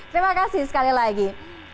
terima kasih sekali lagi